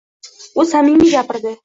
U samimiy gapirdi